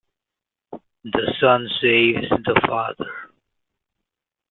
The son saves the father.